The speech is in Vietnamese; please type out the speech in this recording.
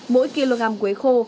mỗi kg quế khô